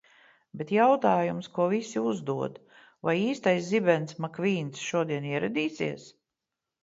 Bet jautājums, ko visi uzdod: vai īstais Zibens Makvīns šodien ieradīsies?